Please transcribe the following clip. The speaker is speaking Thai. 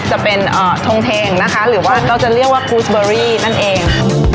จะเป็นทงเทงนะคะหรือว่าก็จะเรียกว่ากูสเบอรี่นั่นเอง